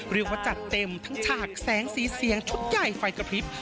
เรียกว่าจัดเต็มทั้งฉากแสงสีเสียงชุดใหญ่ไฟกระพริบ